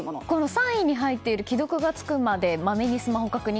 ３位に入っている既読がつくまでまめにスマホ確認。